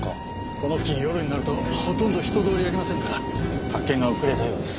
この付近夜になるとほとんど人通りありませんから発見が遅れたようです。